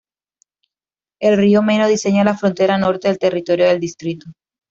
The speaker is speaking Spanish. El Río Meno diseña la frontera norte del territorio del distrito.